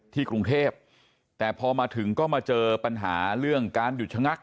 กรุงเทพแต่พอมาถึงก็มาเจอปัญหาเรื่องการหยุดชะงัก